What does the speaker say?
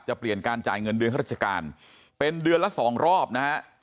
เปลี่ยนการจ่ายเงินเดือนข้าราชการเป็นเดือนละสองรอบนะฮะ